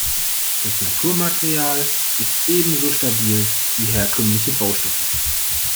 Das Naturmaterial ist ebenso stabil wie herkömmliche Baustoffe.